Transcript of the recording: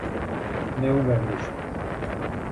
Не умем ништа.